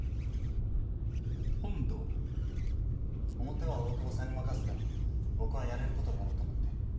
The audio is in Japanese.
表は大久保さんに任せて僕はやれることをやろうと思って。